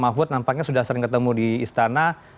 mahfud nampaknya sudah sering ketemu di istana